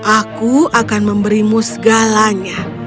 aku akan memberimu segalanya